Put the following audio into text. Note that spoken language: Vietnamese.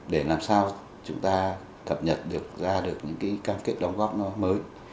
để làm sao chúng ta cập nhật được ra được những cái cam kết đóng góp nó mới